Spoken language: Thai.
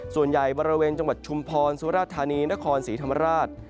ส่วนใหญ่บริเวณจังหวัดชุมพรสุราธานีนครศรีธรรมราช